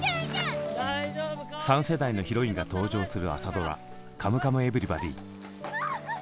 ３世代のヒロインが登場する朝ドラ「カムカムエヴリバディ」。